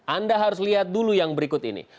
anda harus lihat dulu yang berikut ini